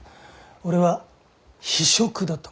俺は非職だと。